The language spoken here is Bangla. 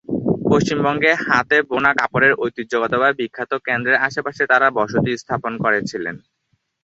পশ্চিমবঙ্গে হাতে বোনা কাপড়ের ঐতিহ্যগতভাবে বিখ্যাত কেন্দ্রের আশেপাশে তারা বসতি স্থাপন করেছিলেন।